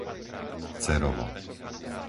Cerovo